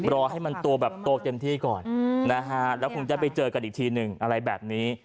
รอให้มันโตแบบโตเต็มที่ก่อนนะฮะแล้วคงจะไปเจอกันอีกทีหนึ่งอะไรแบบนี้